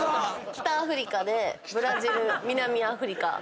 北アフリカでブラジル南アフリカ。